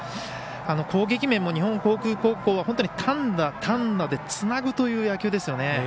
攻撃面も日本航空高校は本当に単打、単打でつなぐという野球ですよね。